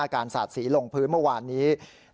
การสาดสีลงพื้นเมื่อวานนี้